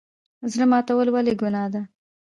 زړه ماتول ولې ګناه ده؟